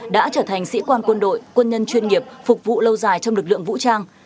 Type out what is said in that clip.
đã trở thành sĩ quan quân đội quân nhân chuyên nghiệp phục vụ lâu dài trong lực lượng vũ trang